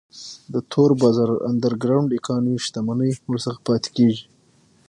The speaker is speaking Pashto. د تور بازار Underground Economy شتمنۍ ورڅخه پاتې کیږي.